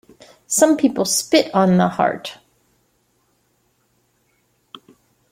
Some people spit on the Heart.